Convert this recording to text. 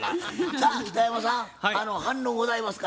さあ北山さん反論ございますか？